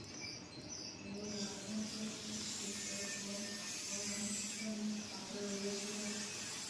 弗劳恩多夫是德国勃兰登堡州的一个市镇。